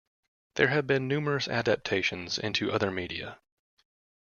There have been numerous adaptations into other media.